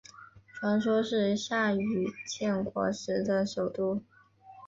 传说是夏禹建国时的首都。